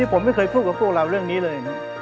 ผมไม่เคยพูดกับพวกเราเรื่องนี้เลยนะ